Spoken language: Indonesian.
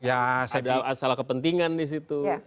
ya ada masalah kepentingan di situ